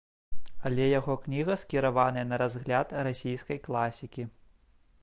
Але яго кніга скіраваная на разгляд расійскай класікі.